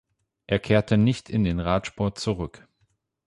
Er kehrte nicht in den Radsport zurück.